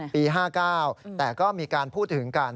ปี๕๙แต่ก็มีการพูดถึงกัน